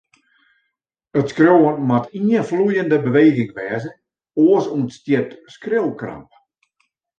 It skriuwen moat ien floeiende beweging wêze, oars ûntstiet skriuwkramp.